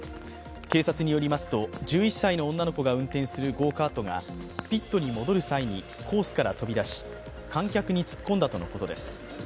警察によりますと、１１歳の女の子が運転するゴーカートがピットに戻る際にコースから飛び出し、観客に突っ込んだとのことです。